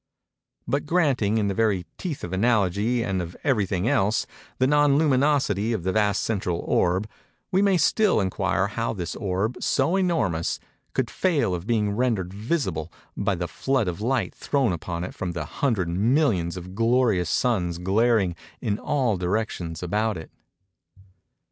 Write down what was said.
But granting, in the very teeth of analogy and of every thing else, the non luminosity of the vast central orb, we may still inquire how this orb, so enormous, could fail of being rendered visible by the flood of light thrown upon it from the 100 millions of glorious suns glaring in all directions about it.